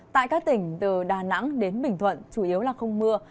tại các tỉnh từ đà nẵng đến bình thuận chủ yếu là không mưa